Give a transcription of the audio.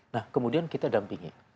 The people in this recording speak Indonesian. nah kemudian kita dampingi